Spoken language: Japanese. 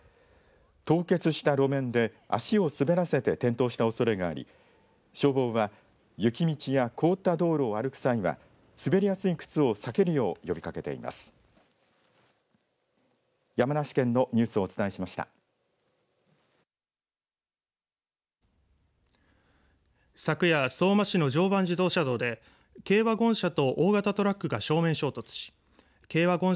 凍結した路面で足を滑らせて転倒したおそれがあり消防は雪道や凍った道路を歩く際は滑りやすい靴を避けるよう呼びかけています。